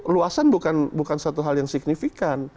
luasan bukan satu hal yang signifikan